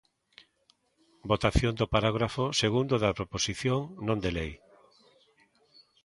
Votación do parágrafo segundo da Proposición non de lei.